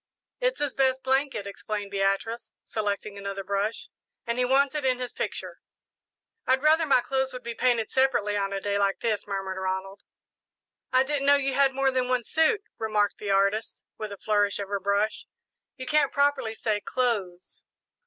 "It's his best blanket," explained Beatrice, selecting another brush, "and he wants it in his picture." "I'd rather my clothes would be painted separately on a day like this," murmured Ronald. "I didn't know you had more than one suit," remarked the artist, with a flourish of her brush; "you can't properly say 'clothes.'"